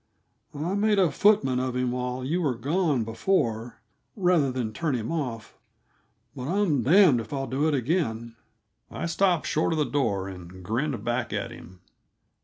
I made a footman of him while you were gone before, rather than turn him off; but I'm damned if I do it again." I stopped just short of the door and grinned back at him.